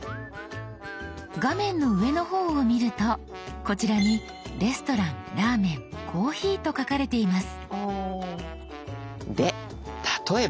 画面の上の方を見るとこちらに「レストラン」「ラーメン」「コーヒー」と書かれています。